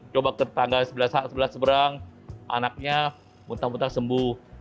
coba tetangga sebelah seberang anaknya muntah muntah sembuh